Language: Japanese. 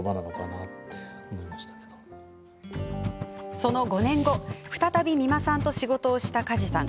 その５年後再び三間さんと仕事をした梶さん。